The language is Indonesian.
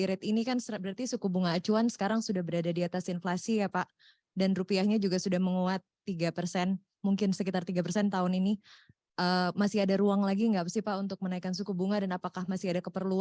ini memang sudah sangat terhadap